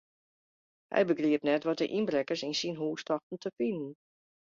Hy begriep net wat de ynbrekkers yn syn hús tochten te finen.